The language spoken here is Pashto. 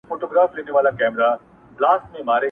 ټول لښکر مي ستا په واک کي درکومه.!